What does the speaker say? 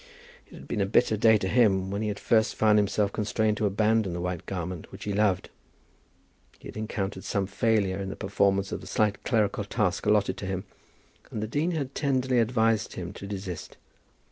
It had been a bitter day to him when he had first found himself constrained to abandon the white garment which he loved. He had encountered some failure in the performance of the slight clerical task allotted to him, and the dean had tenderly advised him to desist.